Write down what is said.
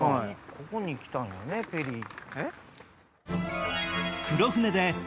ここに来たんやねペリー。